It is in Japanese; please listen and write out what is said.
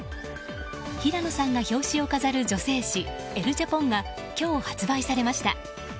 平野さんが表紙を飾る女性誌「エル・ジャポン」が今日、発売されました。